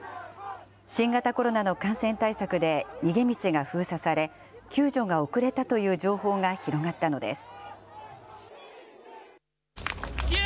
新型コロナの感染対策で逃げ道が封鎖され、救助が遅れたという情報が広がったのです。